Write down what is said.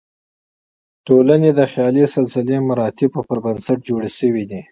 ټولنې د خیالي سلسله مراتبو پر بنسټ جوړې شوې دي.